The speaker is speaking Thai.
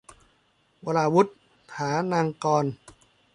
วราวุธ ฐานังกรณ์